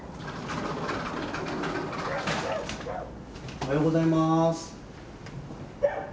おはようございます。